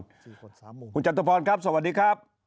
สี่คนสามมุมคุณจตุพรครับสวัสดีครับ